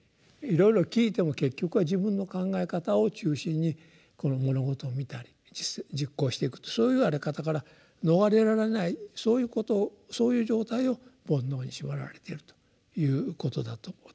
いろいろ聞いても結局は自分の考え方を中心に物事を見たり実行していくとそういうあり方から逃れられないそういう状態を「煩悩」に縛られているということだと私は思います。